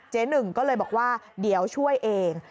หนึ่งก็เลยบอกว่าเดี๋ยวช่วยเอง